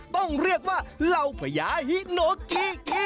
ต้องเรียกว่าเราเภยาฮิโนกิ